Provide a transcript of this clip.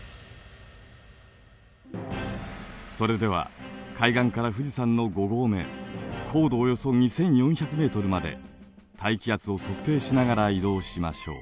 それでは海岸から富士山の五合目高度およそ２，４００ｍまで大気圧を測定しながら移動しましょう。